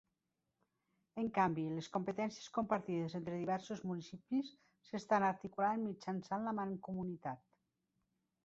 En canvi, les competències compartides entre diversos municipis s'estan articulant mitjançant la mancomunitat.